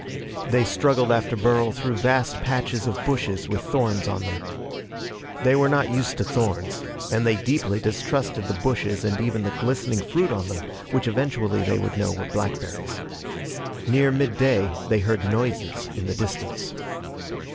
They struggled after Burl through vast patches of bushes with thorns on them. They were not used to thorns, and they deeply distrusted the bushes and even the glistening fruit on them, which eventually they would know were blackberries. Near midday they heard noises in the distance.